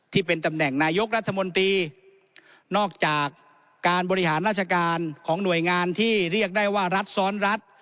ที่เป็นตำแหน่งนายกรัฐมนตรีนอกจากการบริหารราชการของหน่วยงานที่เรียกได้ว่ารัฐซ้อนรัฐ